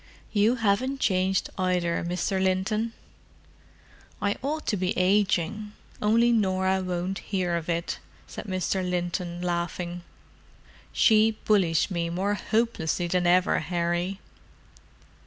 "You haven't changed either, Mr. Linton." "I ought to be aging—only Norah won't hear of it," said Mr. Linton, laughing. "She bullies me more hopelessly than ever, Harry."